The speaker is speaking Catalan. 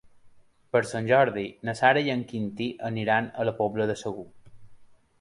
Per Sant Jordi na Sara i en Quintí aniran a la Pobla de Segur.